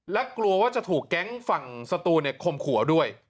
และกลัวว่าจะถูกแก๊งฝั่งสตูนคมขัวด้วย